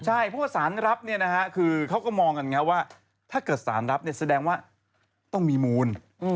ใช่เพราะว่าศาลรับเขาก็มองอย่างนี้ว่าถ้าเกิดศาลรับแสดงว่าต้องมีมูล